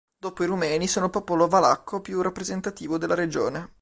Dopo i rumeni, sono il popolo valacco più rappresentativo della regione.